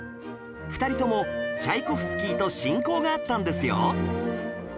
２人ともチャイコフスキーと親交があったんですよ